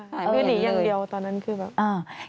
ใช่ไม่ได้หนีอย่างเดียวตอนนั้นคือแบบ